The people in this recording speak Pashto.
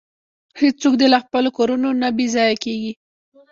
هیڅوک دې له خپلو کورونو نه بې ځایه کیږي.